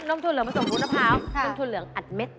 นมถั่วเหลืองผสมวุ้นมะพร้าวนมถั่วเหลืองอัดเม็ด